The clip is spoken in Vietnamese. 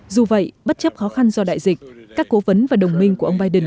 dù vậy bất chấp khó khăn do đại dịch các cố vấn và đồng minh của ông biden